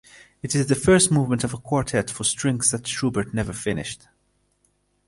It is the first movement of a quartet for strings that Schubert never finished.